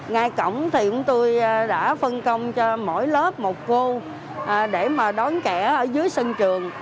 ngay cổng thì chúng tôi đã phân công cho mỗi lớp một cô để mà đón trẻ ở dưới sân trường